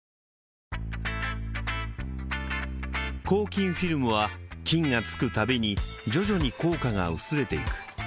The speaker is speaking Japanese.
抗菌フィルムは菌が付くたびに徐々に効果が薄れていく